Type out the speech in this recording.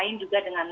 di jarang ke depan